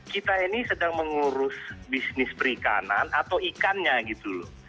kita ini sedang mengurus bisnis perikanan atau ikannya gitu loh